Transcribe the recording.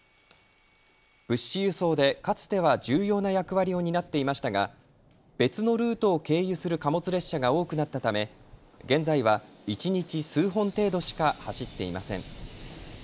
物資輸送でかつては重要な役割を担っていましたが別のルートを経由する貨物列車が多くなったため現在は一日数本程度しか走っていません。